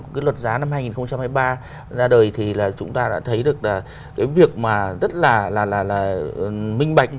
cái luật giá năm hai nghìn hai mươi ba ra đời thì là chúng ta đã thấy được là cái việc mà rất là là là là minh bạch